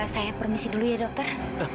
saya permisi dulu ya dokter